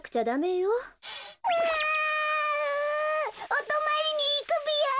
おとまりにいくぴよ！